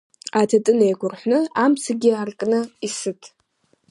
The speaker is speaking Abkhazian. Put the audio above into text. Аҭаҭын еикәарҳәны амцагьы аркны исыҭ!